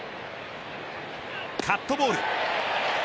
カットボール。